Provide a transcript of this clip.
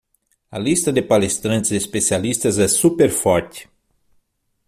A lista de palestrantes especialistas é super forte